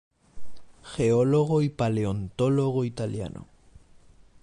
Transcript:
Geólogo y paleontólogo italiano.